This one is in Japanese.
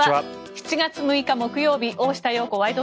７月６日、木曜日「大下容子ワイド！